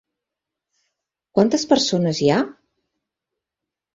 Quantes persones hi ha?